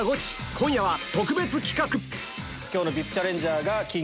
今夜は特別企画今日の。